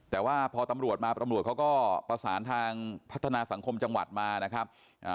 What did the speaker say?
แต่ว่าพอตำรวจมาตำรวจเขาก็ประสานทางพัฒนาสังคมจังหวัดมานะครับ